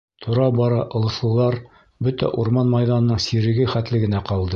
Тора-бара ылыҫлылар бөтә урман майҙанының сиреге хәтле генә ҡалды.